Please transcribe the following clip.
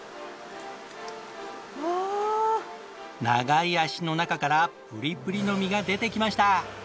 長い脚の中からプリプリの身が出てきました。